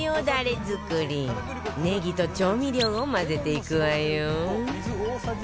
ねぎと調味料を混ぜていくわよ